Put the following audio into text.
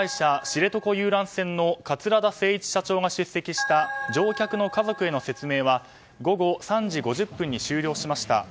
知床遊覧船の桂田精一社長が出席した乗客の家族への説明は午後３時５０分に終了しました。